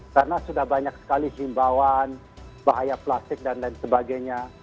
karena sudah banyak sekali himbawan bahaya plastik dan lain sebagainya